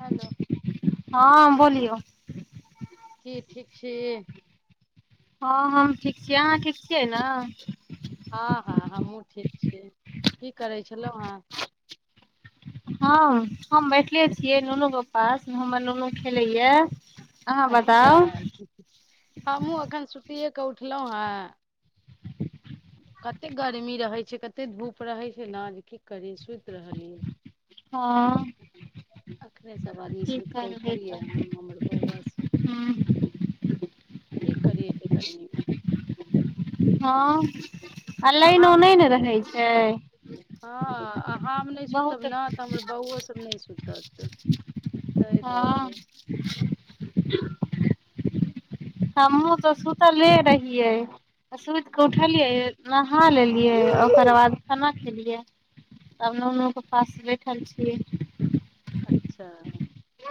Hello हम बोलियौ की ठीक छी हँ हम ठीक छियै अहाँ ठीक छियै ने हँ हँ हमहूँ ठीक छियै की करै छलहुँ हं हँ हम बै ठले छिय नुनू के पास हमर नुनू खेलैय अच्छा हँ मु अखन सु तिए क उठलहुं हं कते गर्मी रहे छै कते धूप रहै छै ने जे की करी सुति रहलीयै हँ अखने सभआदमी की सूति क' करबै उठलियै तऽ हं हमर बौआ स ब [unintelligible] कि करियै त' गर्मीमे हँ आ लाइनो हम नहि न सुतबै रहै तऽ छै हँ आ हम नहि सुतब बहुत न तऽ हमर बौओ सब नहि सुतत [inaudible] हँ दुआरे हमहूँ तऽ सुतले रहियै सुति क' उठलीयै अच्छा न नहा लेलियै ओकर बाद खाना खेलियै तब नूनुके पास बैठल छियै अच्छा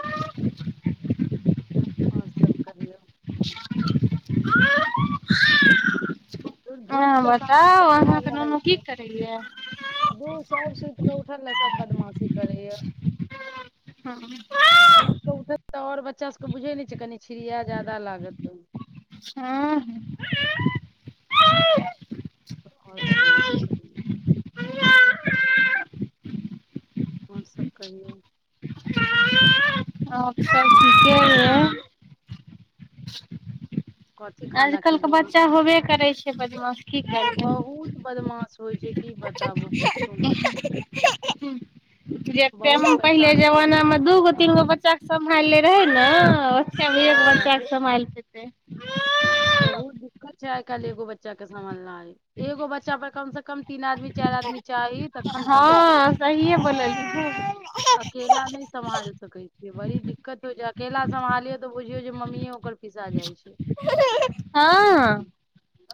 [inaudible] आओरसभ कहियौ [unintelligible] धू धूप अहाँ तऽ साँझ बताउ तकले अहाँके रहै नुनू की छै करैया धू सभ सुति कऽ उठल ल सब बदमाशी करैया हँ सुति क उठल तऽ आओर ब च्चास सभकेँ बुझै नहि छियै कनि छिड़िया जादा लागत हँ ह आओर बदमाशी करै आओरसभ कहियौ आब सभ ठीके य कथी खाना आजकल के खेलहुँ अहाँ बच्चा खान होबे करै छै बदमाश की करबै बहुत बदमाश होइ छै की बताबू पूछू मत जे बहुत टाइम पहिले परेशानी करै छै। जमानामे दूगो तीन गो बच्चाे समहाले रहे नओ [unintelligible] फेमलियो क बच्चा हँ क स्माइल पेत्ये [inaudible] न्यें बहुत दिक्कत छै आइ काल्हि एगो बच्चा के सम्हलनाइ एगो बच्चा पर कम से कम तीन आदमी चारि आदमी चाही तखन सम्हलत हँ सहिए बोलल ह अकेला नहि [unintelligible] सम्हाल सकै छियै बड़ी दिक्कत होय छै अकेला समहालियो तऽ बुझिऔ जे मम्मीओ ओकर पिसा जाय छै हँ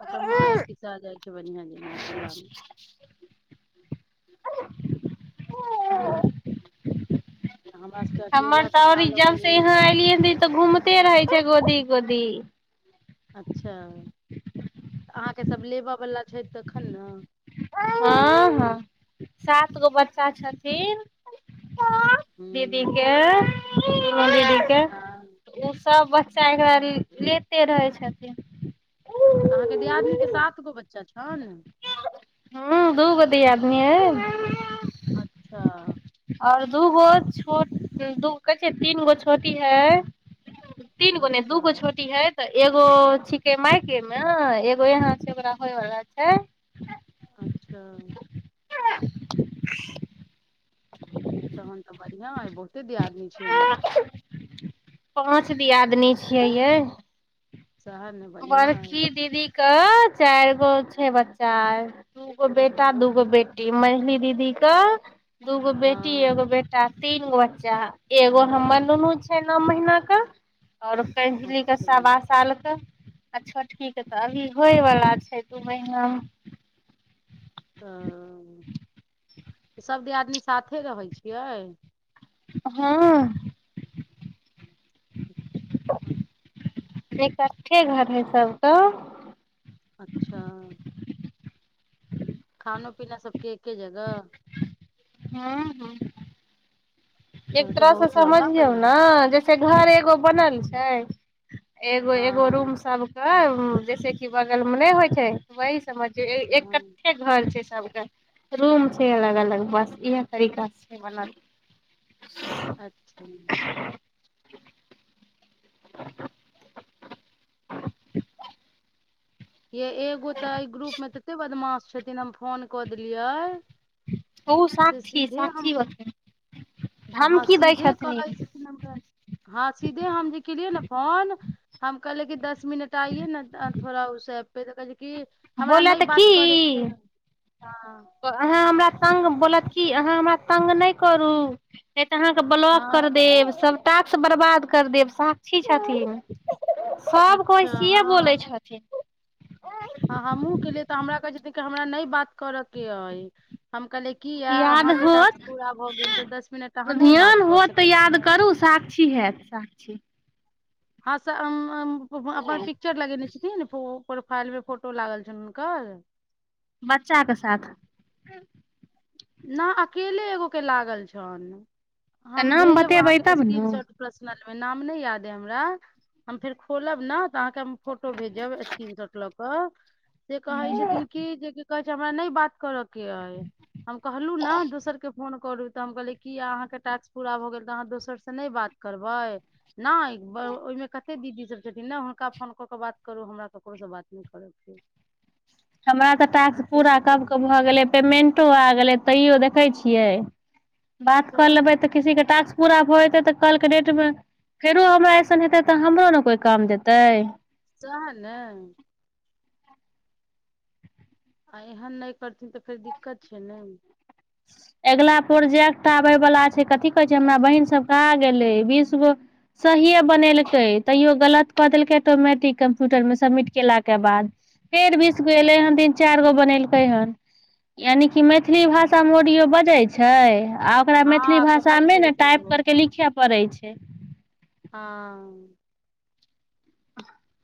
[unintelligible] ओकर माँए पिसा जाइ छै [unintelligible] [unintelligible] हमरा सबके हमर अकेला तऽ ओर सम्हालऽ इजब से पड़ैया यहाँ सब। एलियै तऽ घूमते रहे छै गोदी गोदी अच्छाऽ अहाँके सभ लेबयवला छै तखन ने हँ हँ सात गो बच्चा छथिन दीदीे हूँ के ह [unintelligible] दीदी के हँ उ सब बच्चा एकरा लेते रहै छथिन अहाँके दियादिनी के सात गो बच्चा छै हन हँ दू गो दियादिनी है अच्छा आओर दूगो छ दूगो कहै छै तीन गो छोटी है तीन गो नहि अच्छा दूगो छोटी है तऽ एगो छिके मायके मे एगो यहाँ छै ओकरा होयवला छै अच्छा [inaudible] तहन तऽ बढ़िआँ अइ बहुत कते दियादनी छी अहाँ पाँच दियादिनी छियै यै सह ने बढ़िआँ अइ बड़की दीदी के चारि गो छै बच्चा दू गो बेटा दू गो बेटी मझली दीदीे क दूगो बेटी हँ एगो बेटा तीन गो बच्चा एगो हमर नुनू छै नौ महीना क और कंजली के अच्छा सवा साल के आ छोटकीके तऽ अभी होयवला छै दू महीनामे ह सभ दियादिनी साथे रहै छियै हँ एकअठ्ठे घर है सबके अच्छा [inaudible] खानो पीना सबके एके जगह हँ हँ एक तहन तऽ तरह से बहुत लम्बा समझियौ न परिवार ह जैसे घर एगो बनल छै एगो एगो हँ रूम सबके हं जैसे कि बगलमे नहि होइ छै वइ समझियौ हँ एककठ्ठे घर छै सबके रूम छै अलग अलग बस इयह तरीका छै बनल अच्छा य एगो तऽ ग्रुपमे तते बदमास छथिन हम फोन कऽ देलियै ओ से साक्षी सीधे हम साक्षी हँ धमकी दै सीधे कहै छथिन हमरा हँ सीधे हम जे केलियै ने फोन हम कहले कि दस मिनट आइे ने थोड़ा उ त फेरो कहि कि हमरा नहि बोलत बात की करयके है हँ अहाँ हमरा तंग बोलत कि अहाँ हमरा तंग नहि करू नै त' अहाँके ब्लॉक कर हँ देब सब टास्क बरबाद कर देब साक्षी छथिन सभ कोइ अच्छा सेहे बोलै हँ छथिन हमहुं केलियै तऽ हमरा कहै छै हमरा नहि बात करऽ के अइ हम कहलिय कीया याद अहाँके टास्क होत पूरा भऽ गेल तऽ दस मिनट अहाँ नहि ध्यान बात कऽ होत तऽ सकैत याद छियै करू साक्षी हैत साक्षी हँ से अम अम अपन पिक्चर लगेने छथिन ने फ प्रोफाइल मे फोटो लागल छैन हुनकर बच्चाके साथ न अकेले एगो के लागल छनि हम नाम भेजब बतेबै अहाँके तब स्क्रीन शॉट ने प्रसनल नाम नहि याद हमरा हम फेर खोलब न तऽ अहाँके हम फोटो भेजब स्क्रीन शॉट लऽ कऽ से कहै छथिन कि जे कहै छै हमरा नहि बात करऽ के अइ हम कहलहुँ ने दोसरके फोन करू तऽ हम कहलियै कि अहाँके टास्क पूरा भऽ गेल तऽ अहाँ दोसरसँ नहि बात करबै नहि ओहिमे कतेक दीदी सभ छथिन ने हुनका फोन कऽ कऽ बात करू हमरा ककरोसँ बात नहि कर के अइ हमरा तऽ टास्क पूरा कबके भऽ गेलै पेमेंट ओ आ गेलै तैयो देखै छियै बात करऽ लेबै तऽ किसी के टास्क पूरा भऽ जेतै तऽ कलके डेट मे फेरो हमरा अऐसन हेतै तऽ हमरो ने कोइ काम देतै सैहै ने आ एहन नहि करथिन तऽ फेर दिक्कत छै नहि अगिला प्रोजेक्ट आबै बला छै कथी कहै छै हमरा बहिन सब कहा गेलै बीस गो सहिए बनेलकै तैयो गलत कऽ देलकै ऑटोमटिक कम्प्यूटरमे सबमिट केलाके बाद फेर बीस गो एलै हन तीन चारि गो बनेलकै हन यानि कि मैथिली भाषा सम ओडियो बजै छै छै आ ओकरा मैथिली हँ कहै भाषामे ने छलखिन टाइप ओ करकेऽ लिखय पड़ै छै हँ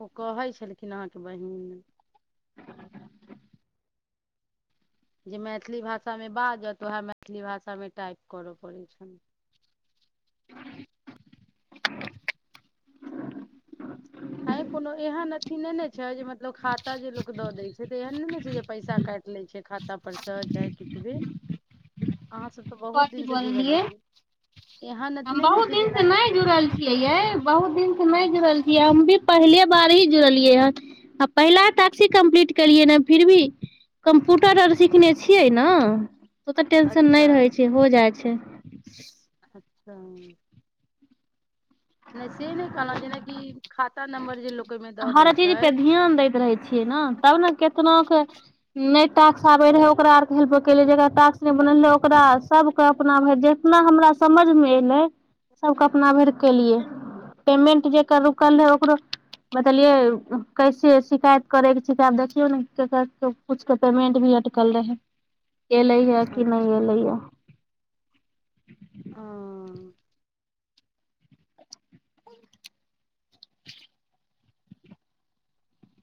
ओ कहै छलखिन अहाँके बहिन जे मैथिली भाषामे बाजत उएह मैथिली भाषामे टाइप करय पड़ै छै ह आँय कोनो एहन अथि नहि ने छै जे मतलब खाता जे लोक दऽ दै छै तऽ एहन नहि ने छै जे पैसा काटि लै छै खातापर सँ चाहे किछु भी अहाँ सब तऽ बहुत कथी दिन से जुड़ल बोललियै हेबै एहन अथी हम नहि ने बहुत छै दिन जेना से नहि जुड़ल छियै यै बहुत दिन से नहि जुड़ल छियै हम भी पहिलियै बार ही जुड़लियै ह आ पहिला टाक्स ही कम्प्लीट कलियै न फिर भी कम्पुटर आर सिखने छियै न ओ त टेंशन अच्छा नइ रहै छै हो जाइ छै हँ नै से नै कहला जेना कि खाता नंबर जे लोक ओहिमे दऽ हर दै छै चीजपे धीयान दैत रहै छियै ने तब न केतनक नहि टाक्स आबै रहै ओकरा आरके हेल्प केलियै जका टाक्स नहि बनल रहै ओकरा सबके अपना भरि जेतना हमरा समझमे एलै सभके अपना भरि केलियै पेमेंट जेकर रुकल रहै ओकरो बतलियै कैसे शिकायत करैके छिकै आब देखियौ ने केकर किछुके पेमेंट भी अटकल रहै एलै ह कि नहि अच्छा एलै अ हँ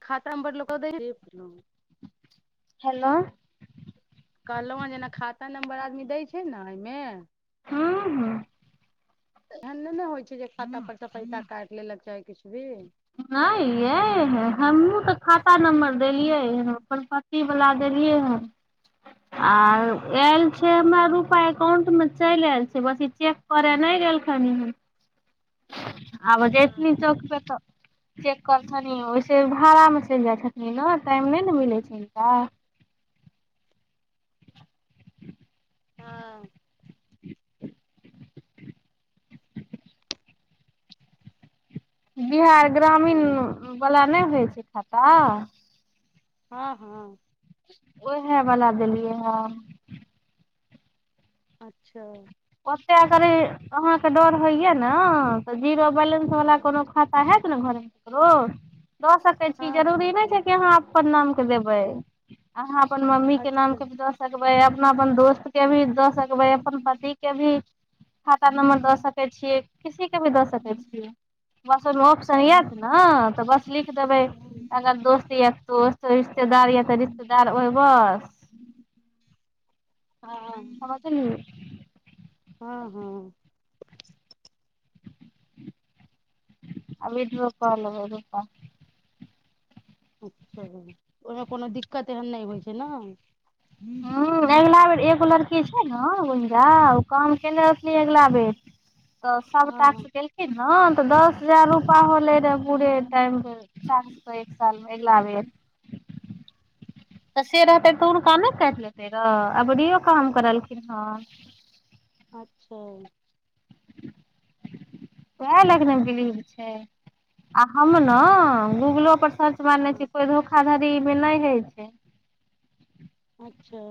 खाताम बर लोकदै [inaudible] हैलो कहलहु हन जेना खाता नम्बर आदमी दै छै न एहिमे हाँ हँ एहन नहि न होइ छै जे खाता पर पैसा काटि लेलक चाही किछु भी नहि यै ह हमहूँ तऽ पा नम्बर देलियै ह अप्पन पति बला देलियै हन हँ आ एल छै हमरा रुपा एकाउंट मे चलि ऐल छै बस ई चेक करे नहि गेलखिन [inaudible] आब जेथिन चौक प त चेक करथिन ओहिसे भाड़ामे चलि जाइ छथिन न टाइम नहि न मिलै छै हिनका [inaudible] हँ [inaudible] बिहार ग्रामीण हँ बला नहि होय खाता हँ हँ उहै बला देलियै ह अच्छा साह करी अहाँके डर होइया न जीरो बैलेंस वला हँ कोनो खाता है घर एकरो दऽ सकै छी हँ जरूरी हँ नहि छै कि अहाँ सब नाम के देबै अहाँ पन मम्मी के नाम अच्छा क भी द सकबे अपना अपन दोस्त के भी द सकबे अपन पति ठीक खाता नम्बर दऽ सकै छियै किसीे भी कें दऽ सकै छियै बस ओहिमे अच्छा ऑप्शन यत ने तऽ बस लिख देबै हँ अगर दोस्त य दोस्त रिश्तेदार य तऽ रिश्तेदार ओहि बस हाँ चलि हँ हँ अभी रूपा लबै रूपा अच्छा ओहिमे कोनो दिक्कत एहन नहि होइ छै ने हुँ एगो लड़की की छै ने गुंजा ओ काम केने रही अगिला बेर तऽ सभटा से हँ गेलेलखिन हँ तऽ दस हजार रुप रपा होलै रहऽ पूरे टाइम के एक साल मे अगिला बेर तऽ से रहतै तऽ हुनका नहि काटि लेतै र अबरीयो काम करलखिन हे अच्छा ओहा लाइन मे छै आ हम न गूगलो पर सर्च मारने छै हँ कोइ धोखाधारि मे नहि होइ छै अच्छा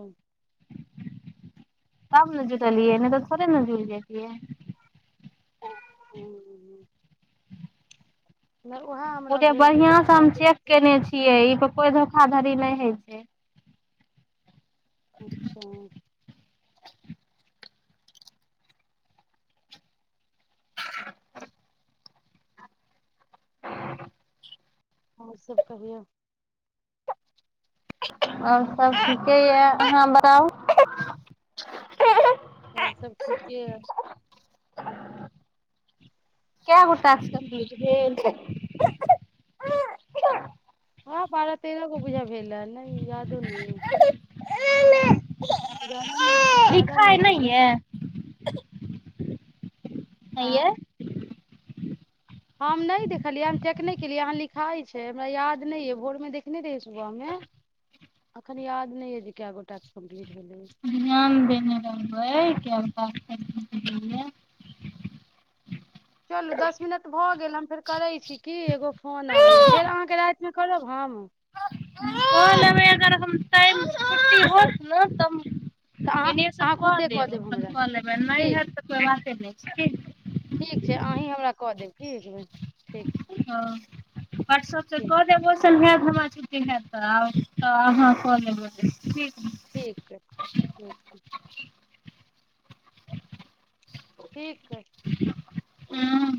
तब ने जुटलियऐ नहि तऽ थोेरे न जुरि जेतिऐ नहि उएह उ हमरा जेे भेल जे बढ़ियां जेना स दऽ हम देने चेक छी केने छियै इत कोइ धोखाधड़ी नहि होइ छै अच्छा [inaudible] आरसभ कहियौ आओर सब ठीके या हाँ बड़ाउ आओर सब ठीके या काय गोटा सँ पिलखिन हँ बारह तेरह गो बूझा भेल रहल ह ने यादो नै ह जादा नहि जादा लिखाइ नहि नै भेलै ये [inaudible] नहि ये आँ हम नहि देखलियै हम चेक नहि केलियै अहाँ लिखाइ छै हमरा याद नहि ये भोर मे देखने रहियै सुबह मे एखन याद नहि ये जे कए गो टास्क कम्प्लीट भेलै ध्यान देने रहबै क चलू दस मिनट भऽ गेल हम फेर करै छी कि एगो फोन आबैया फेर अहाँके राति फेर करब हम द देबय अगर हम टाइम छुट्टी होत ने तऽ अहाँ एनेस अहाँ कऽ खुदे देब अपन हमरा कऽ लेबै नहि ठीक हत तऽ कोइ बाते नहि ठीक ठीक छै अहीँ हमरा कऽ देब की भेलै ठीक छै हँ आओर सबसँ कह देब मौसल होयत हमरा छुट्टी हेतऽ तऽ अहाँ कलेबै ठीक ठीक ह ठीक हइ हुंम